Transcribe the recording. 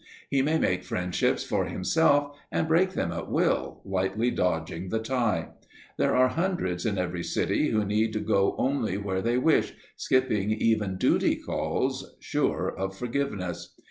He may make friendships for himself and break them at will, lightly dodging the tie. There are hundreds in every city who need go only where they wish, skipping even "duty calls," sure of forgiveness.